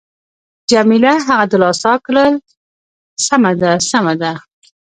جميله هغه دلاسا کړل: سمه ده، سمه ده.